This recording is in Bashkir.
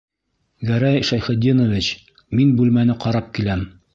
Гәрәй Шәйхетдинович, мин бүлмәне ҡарап киләм.